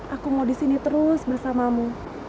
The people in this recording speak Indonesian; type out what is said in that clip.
aku mau disini terus bersamamu